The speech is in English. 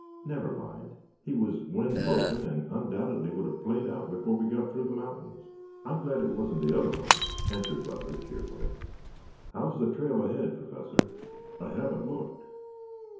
"Never mind. He was wind broken and undoubtedly would have played out before we got through the mountains. I am glad it wasn't the other one," answered Butler cheerfully. "How is the trail ahead, Professor?" "I haven't looked."